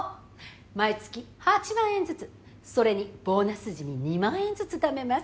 毎月８万円ずつそれにボーナス時に２万円ずつためます。